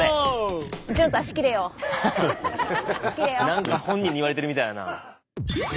何か本人に言われてるみたいやな。